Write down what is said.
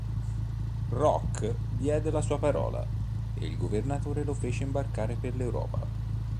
Roc diede la sua parola, e il Governatore lo fece imbarcare per l'Europa.